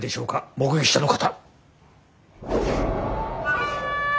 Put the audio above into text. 目撃者の方。